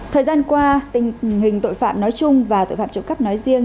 thời gian qua tình hình tội phạm nói chung và tội phạm trộm cắp nói riêng